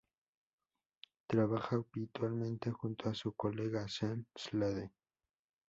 Trabaja habitualmente junto a su colega Sean Slade.